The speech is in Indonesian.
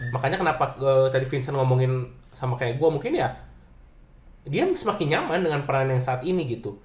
makanya kenapa tadi vincent ngomongin sama kayak gue mungkin ya dia semakin nyaman dengan peran yang saat ini gitu